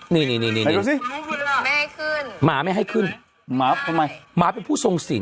นี่ไม่ให้ขึ้นหมาไม่ให้ขึ้นหมาเป็นผู้ทรงสิน